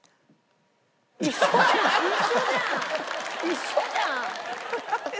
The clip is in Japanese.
一緒じゃん！